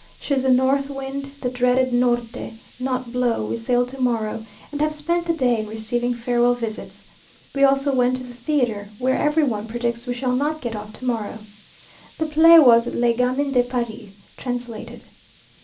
Should the north wind, the dreaded Norte, not blow, we sail to morrow, and have spent the day in receiving farewell visits. We also went to the theatre, where every one predicts we shall not get off to morrow. The play was "Le Gamin de Paris," translated.